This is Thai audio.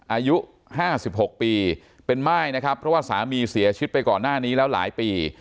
อายุ๕๖ปีเป็นม่ายนะครับเพราะว่าสามีเสียชีวิตไปก่อนหน้านี้แล้วหลายปี